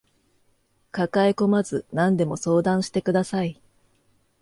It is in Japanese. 抱えこまず何でも相談してください